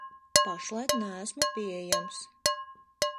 Pašlaik neesmu pieejams.